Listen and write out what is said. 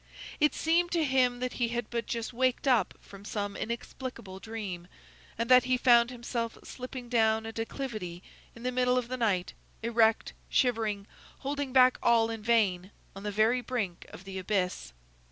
It seemed to him that he had but just waked up from some inexplicable dream, and that he found himself slipping down a declivity in the middle of the night, erect, shivering, holding back all in vain, on the very brink of the abyss.